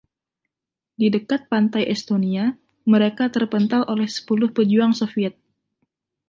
Di dekat pantai Estonia, mereka terpental oleh sepuluh pejuang Soviet.